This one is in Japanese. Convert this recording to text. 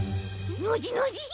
ノジノジ！